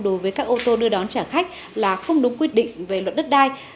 đối với các ô tô đưa đón trả khách là không đúng quyết định về luật đất đai